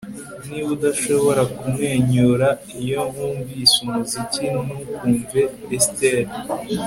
niba udashobora kumwenyura iyo wumvise umuziki, ntukumve! - estelle